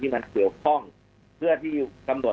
มันเผลอคล่องเพื่อการตรวจให้แล้ว